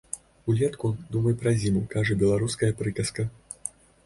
Улетку думай пра зіму, кажа беларуская прыказка.